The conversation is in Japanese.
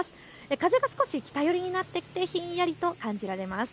風が少し北寄りになってきてひんやりと感じられます。